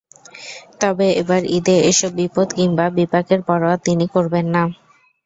তবে এবার ঈদে এসব বিপদ কিংবা বিপাকের পরোয়া তিনি করবেন না।